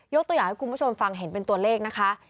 ตัวอย่างให้คุณผู้ชมฟังเห็นเป็นตัวเลขนะคะ